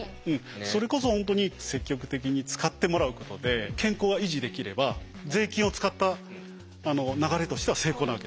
それこそ本当に積極的に使ってもらうことで健康が維持できれば税金を使った流れとしては成功なわけです。